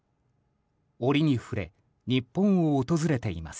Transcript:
折に触れ、日本を訪れています。